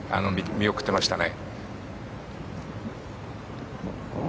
見送ってましたね。